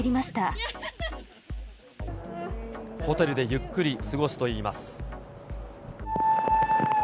ホテルでゆっくり過ごすといいます。